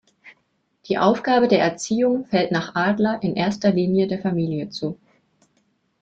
Die Aufgabe der Erziehung fällt nach Adler in erster Linie der Familie zu.